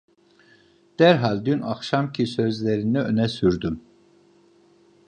Derhal dün akşamki sözlerini öne sürdüm: